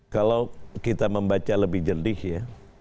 kalau kita membaca lebih jernih ya